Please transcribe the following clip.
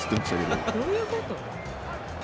どういうこと？